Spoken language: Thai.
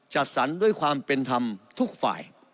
จัดสรรด้วยความเป็นธรรมทุกฝ่าย